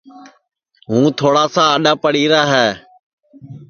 ہوں تھوڑاس اڈؔا پڑی را ہے